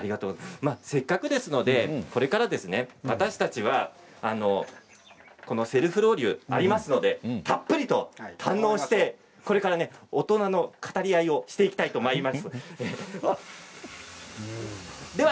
せっかくですので私たちはセルフロウリュ、ありますのでたっぷりと堪能してこれから大人の語り合いをしていきたいと思います。